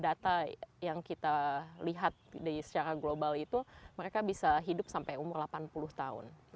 data yang kita lihat secara global itu mereka bisa hidup sampai umur delapan puluh tahun